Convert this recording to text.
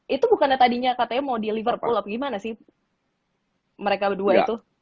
itu bukannya tadinya katanya mau di liverpool apa gimana sih mereka berdua itu